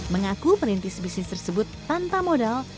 mengaku merintis bisnis tersebut tanpa modal